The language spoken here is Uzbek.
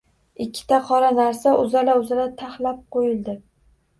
Ikkita qora narsa uzala-uzala taxlab qo‘yildi.